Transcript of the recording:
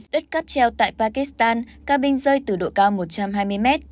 đứt cắp treo tại pakistan cabin rơi từ độ cao một trăm hai mươi m